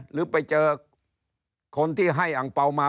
หรือไปเจอคนที่ให้อังเปล่ามา